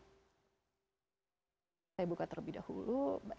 saya buka terlebih dahulu